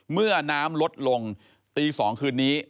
เมื่อน้ำลดลงตี๒คืนนี้